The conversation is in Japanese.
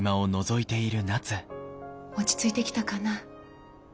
落ち着いてきたかな？